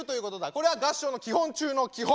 これは合唱の基本中の基本。